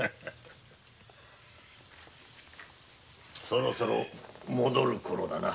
そろそろ戻るころだな。